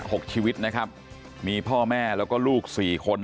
หกชีวิตนะครับมีพ่อแม่แล้วก็ลูกสี่คน